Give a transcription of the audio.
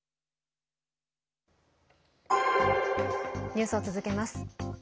ニュースを続けます。